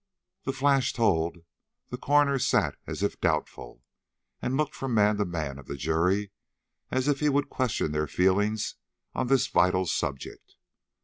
The flash told, the coroner sat as if doubtful, and looked from man to man of the jury as if he would question their feelings on this vital subject.